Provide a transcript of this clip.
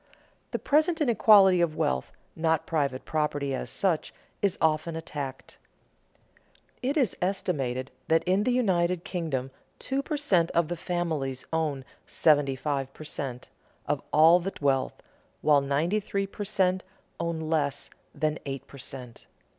The present inequality of wealth, not private property as such, is often attacked. It is estimated that in the United Kingdom two per cent. of the families own seventy five per cent. of all the wealth, while ninety three per cent. own less than eight per cent.